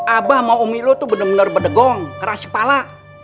abah sama umi lo tuh bener bener bedegong keras kepala